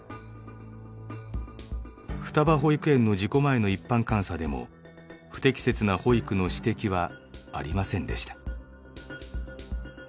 双葉保育園の事故前の一般監査でも不適切な保育の指摘はありませんでした。